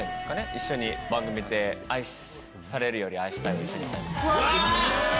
一緒に番組で『愛されるより愛したい』を一緒に歌いました。